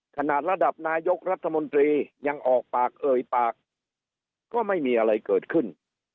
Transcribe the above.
ระดับนายกรัฐมนตรียังออกปากเอ่ยปากก็ไม่มีอะไรเกิดขึ้น